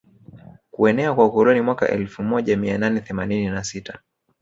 Kuenea kwa ukoloni Mwaka elfu moja mia nane themanini na sita